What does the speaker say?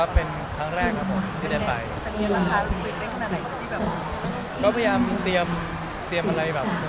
เป็นทางแรกเมื่อกี้หรือ